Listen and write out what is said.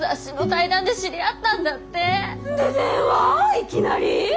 いきなりぃ？